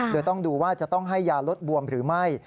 โดยต้องดูว่าจะต้องให้ยาลดบวมหรือไม่